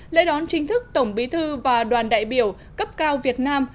lễ đón chính thức tổng bí thư và đoàn đại biểu cấp cao việt nam